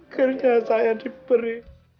akhirnya saya diberi